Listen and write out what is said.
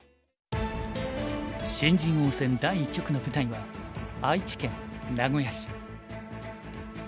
新人王戦第一局の舞台は愛知県名古屋市。